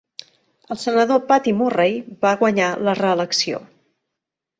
El senador Patty Murray va guanyar la reelecció.